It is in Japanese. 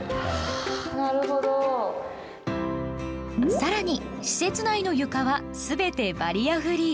さらに、施設内の床はすべてバリアフリー。